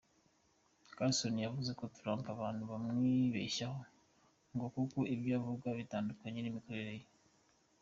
Carson yavuze ko Trump abantu bamwibeshyaho, ngo kuko ibyo avuga bitandukanye n’imikorere ye.